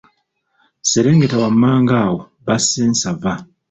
Serengeta wammanga awo basse ensava.